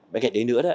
bên cạnh đấy nữa